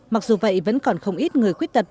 mặc dù vậy vẫn còn không ít người khuyết tật